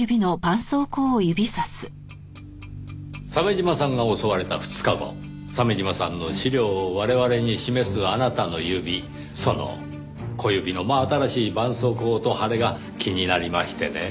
鮫島さんが襲われた２日後鮫島さんの資料を我々に示すあなたの指その小指の真新しい絆創膏と腫れが気になりましてねぇ。